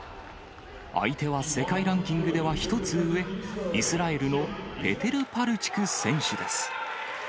相手は世界ランキングでは１つ上、イスラエルのペテル・パルチク選手です。